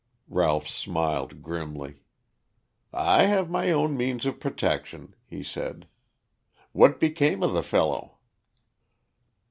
Ralph smiled grimly. "I have my own means of protection," he said. "What became of the fellow?"